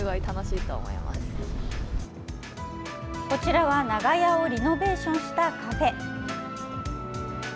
こちらは長屋をリノベーションしたカフェ。